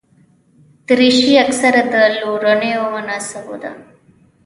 دریشي اکثره د لورینو مناسبو ده.